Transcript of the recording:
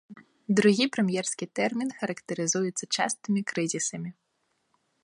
Другі прэм'ерскі тэрмін характарызуецца частымі крызісамі.